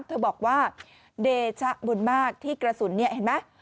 เธอบอกว่าเดชะบุญมากที่กระสุนเนี่ยเห็นไหม